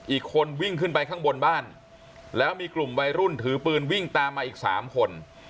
อีกคนวิ่งขึ้นไปข้างบนบ้านแล้วมีกลุ่มวัยรุ่นถือปืนวิ่งตามมาอีก๓คน